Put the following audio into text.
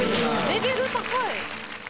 レベル高い。